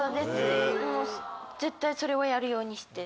絶対それはやるようにして。